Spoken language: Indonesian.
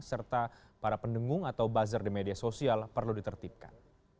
serta para pendengung atau buzzer di media sosial perlu ditertibkan